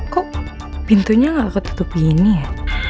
kok pintunya gak ketutupin nih ya